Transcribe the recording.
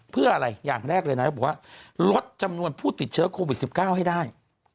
เพื่ออะไรอย่างแรกเลยนะบอกว่าลดจำนวนผู้ติดเชื้อโควิด๑๙ให้ได้